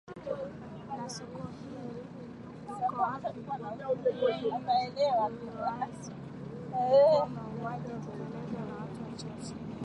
na soko hili liko wapiUkweli uliowazi ni kuwa mauaji yanatekelezwa na watu wachache